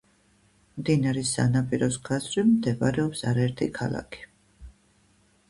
მდინარის სანაპიროს გასწვრივ მდებარეობს არაერთი ქალაქი.